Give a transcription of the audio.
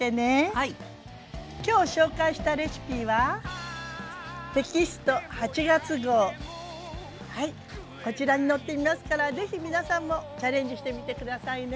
今日紹介したレシピはテキスト８月号はいこちらに載っていますから是非皆さんもチャレンジしてみて下さいね。